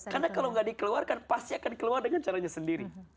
karena kalau tidak dikeluarkan pasti akan keluar dengan caranya sendiri